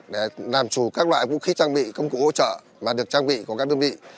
để làm chủ các loại vũ khí trang bị công cụ hỗ trợ mà được trang bị của các đơn vị